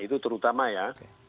itu terutama ya